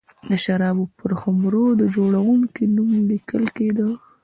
د شرابو پر خُمرو د جوړوونکي نوم لیکل کېده.